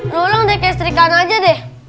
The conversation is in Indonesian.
lulung deh keistrikan aja deh